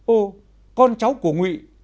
ô con cháu của nguy